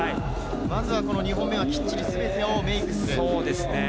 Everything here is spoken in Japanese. まずは２本目、きっちりすべてをメイクする。